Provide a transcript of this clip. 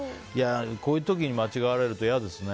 こういう時に間違われると嫌ですね。